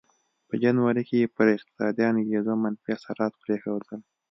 په جنوب کې یې پر اقتصادي انګېزو منفي اثرات پرېښودل.